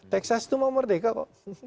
texas itu mau merdeka kok